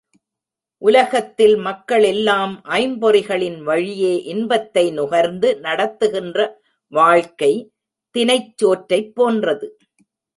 உலகத்தில் மக்கள் எல்லாம் ஐம்பொறிகளின் வழியே இன்பத்தை நுகர்ந்து நடத்துகின்ற வாழ்க்கை, தினைச் சோற்றைப் போன்றது.